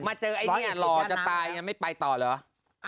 เจอไอ้นี่หล่อจะตายยังไม่ไปต่อเหรอ